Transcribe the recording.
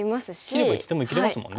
切ればいつでも生きれますもんね。